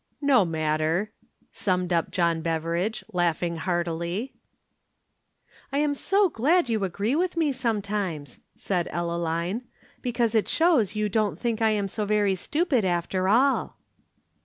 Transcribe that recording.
"No matter!" summed up John Beveridge, laughing heartily. "I am so glad you agree with me sometimes," said Ellaline. "Because it shows you don't think I am so very stupid after all."